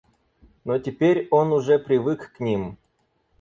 Но теперь он уже привык к ним.